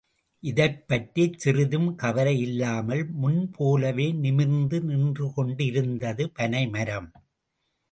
இதைப்பற்றிச் சிறிதும் கவலையில்லாமல் முன் போலவே நிமிர்ந்து நின்றுகொண்டிருந்தது பனைமரம்.